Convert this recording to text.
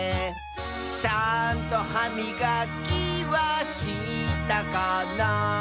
「ちゃんとはみがきはしたかな」